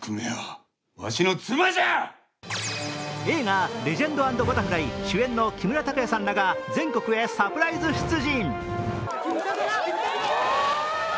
映画「レジェンド＆バタフライ」主演の木村拓哉さんらが全国へサプライズ出陣。